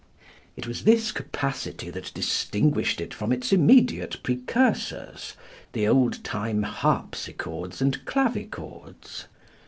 It was this capacity that distinguished it from its immediate precursors, the old time harpsichords and clavichords.